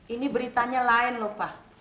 ini beritanya lain lho pak